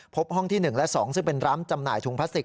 พบห้องที่๑และ๒ซึ่งเป็นร้านจำหน่ายถุงพลาสติก